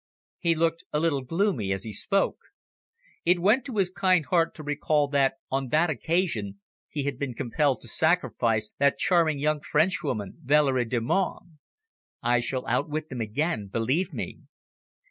He looked a little gloomy as he spoke. It went to his kind heart to recall that on that occasion he had been compelled to sacrifice that charming young Frenchwoman, Valerie Delmonte. "I shall outwit them again, believe me."